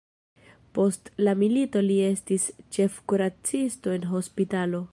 Post la milito li estis ĉefkuracisto en hospitalo.